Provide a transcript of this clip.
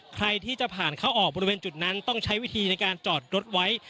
ใครที่จะผ่านเข้าออกบริเวณจุดนั้นต้องใช้วิธีในการจอดรถไว้